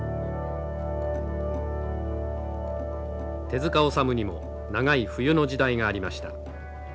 手塚治虫にも長い冬の時代がありました。